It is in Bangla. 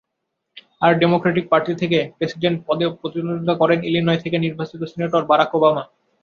আর ডেমোক্র্যাটিক পার্টি থেকে প্রেসিডেন্ট পদে প্রতিদ্বন্দ্বিতা করেন ইলিনয় থেকে নির্বাচিত সিনেটর বারাক ওবামা।